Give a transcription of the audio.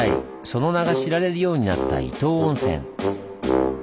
その名が知られるようになった伊東温泉。